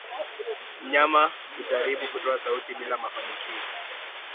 Mnyama kujaribu kutoa sauti bila mafanikio